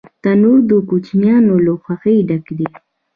تنور د کوچنیانو له خوښۍ ډک دی